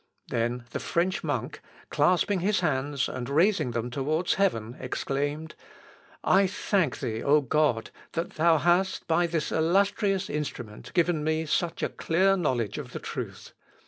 Then the French monk, clasping his hands, and raising them towards heaven, exclaimed, "I thank thee, O God, that thou hast by this illustrious instrument given me such a clear knowledge of the truth!